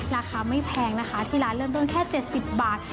ราคาไม่แพงนะคะที่ร้านเริ่มต้นแค่๗๐บาท